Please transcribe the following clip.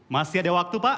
masih ada waktu pak